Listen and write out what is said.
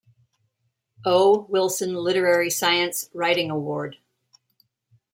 O. Wilson Literary Science Writing Award.